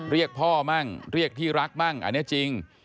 เรียกพ่อมั่งเรียกที่รักมั่งอันนี้จริง